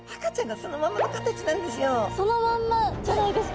そのまんまじゃないですか。